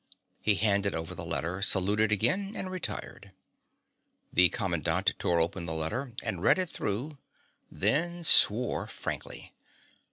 He handed over the letter, saluted again, and retired. The commandant tore open the letter and read it through, then swore frankly.